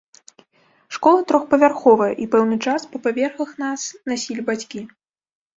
Школа трохпавярховая, і пэўны час па паверхах нас насілі бацькі.